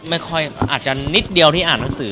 อาจจะนิดเดียวที่อ่านวันสื่อ